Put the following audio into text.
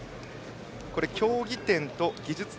競技点と技術点。